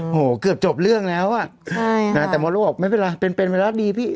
โอ้โหเกือบจบเรื่องแล้วอ่ะนะแต่หมดลูกว่าไม่เป็นไรเป็นไวลัสดีพี่